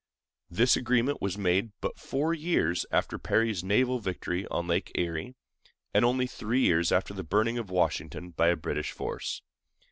This agreement was made but four years after Perry's naval victory on Lake Erie, and only three years after the burning of Washington by a British force.